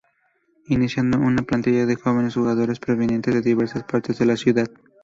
Iniciando con una plantilla de jóvenes jugadores provenientes de diversas partes de la ciudad.